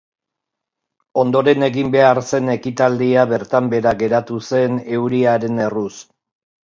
Ondoren egin behar zen ekitaldia bertan behera geratu zen euriaren erruz.